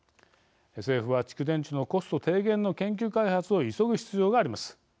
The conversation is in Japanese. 政府は蓄電池のコスト低減の研究開発を急ぐ必要があります。